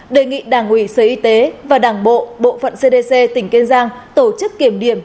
đề nghị đảng ủy sở y tế và đảng bộ bộ phận cdc tỉnh kiên giang tổ chức kiểm điểm